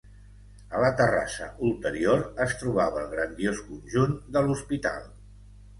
A la terrassa ulterior es trobava el grandiós conjunt de l'hospital.